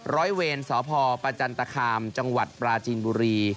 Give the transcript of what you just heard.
ร้อยเวรสพประจันตคามจังหวัดปราจีนบุรี